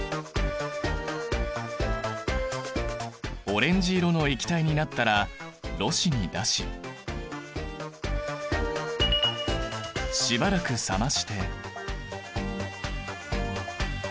オレンジ色の液体になったらろ紙に出ししばらく冷まして。